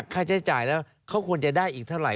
ค่าใช้จ่ายแล้วเขาควรจะได้อีกเท่าไห